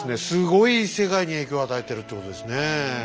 すごい世界に影響与えてるってことですね。